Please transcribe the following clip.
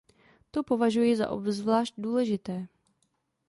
To považuji za obzvlášť důležité.